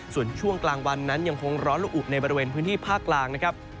ส่วนช่วงกลางวันนั้นยังคงร้อนละอุในบริเวณพื้นที่ภาคกลางนะครับ